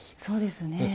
そうですね。